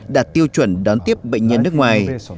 đạt tiêu chuẩn đón tiếp bệnh nhân nước ngoài